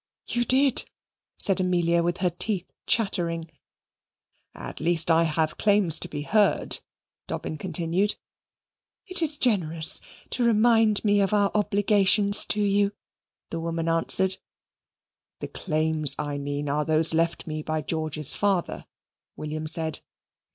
"You did," said Amelia with her teeth chattering. "At least I have claims to be heard," Dobbin continued. "It is generous to remind me of our obligations to you," the woman answered. "The claims I mean are those left me by George's father," William said.